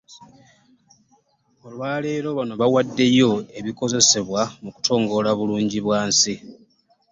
Olwa leero bano bawaddeyo ebinakozesebwa mu kutongoza bulungi bwansi.